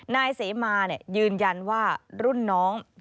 นายเสมายืนยันว่ารุ่นน้อง